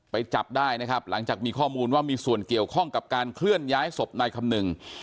จับได้นะครับหลังจากมีข้อมูลว่ามีส่วนเกี่ยวข้องกับการเคลื่อนย้ายศพนายคำนึง